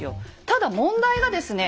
ただ問題がですね